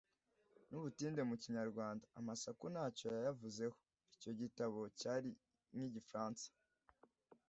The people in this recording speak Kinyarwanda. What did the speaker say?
n'ubutinde mu kinyarwanda. amasaku ntacyo yayavuzeho. icyo gitabo cyari nk'igifaransa